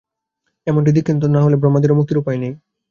এ মন্ত্রে দীক্ষিত না হলে ব্রহ্মাদিরও মুক্তির উপায় নেই।